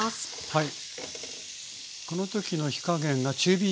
はい。